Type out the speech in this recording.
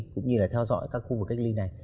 cũng như là theo dõi các khu vực cách ly này